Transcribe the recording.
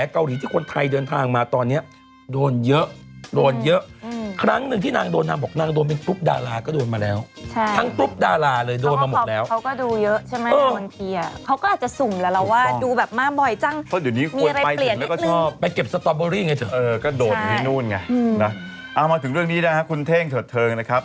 ก็อีกบ้างเพราะว่า๙๑จะไปซื้อทั้งหมู่บ้านได้ยังไงล่ะ